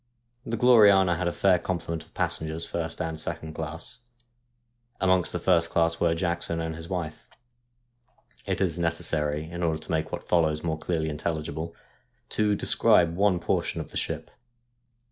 The Gloriana had a fair complement of passengers, first and second class. Amongst the first class were Jackson and his wife. It is necessary, in order to make what follows more clearly intelligible, to describe one portion of the ship.